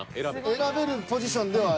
選べるポジションでは。